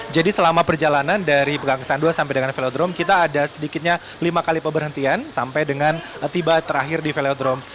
jadi selama perjalanan dari pegangsaan dua sampai dengan velodrome kita ada sedikitnya lima kali peberhentian sampai dengan tiba terakhir di velodrome